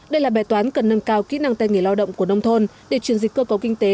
đây là bài toán cần nâng cao kỹ năng tay nghề lao động của nông thôn để truyền dịch cơ cấu kinh tế